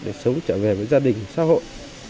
để sớm trở về với gia đình xã hội